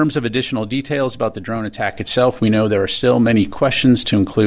saya akan terus mencari pertanyaan penting itu